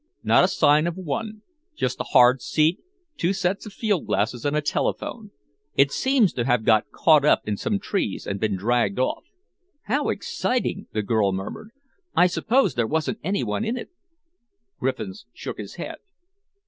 "Not a sign of one. Just a hard seat, two sets of field glasses and a telephone. It seems to have got caught in some trees and been dragged off." "How exciting!" the girl murmured. "I suppose there wasn't any one in it?" Griffiths shook his head.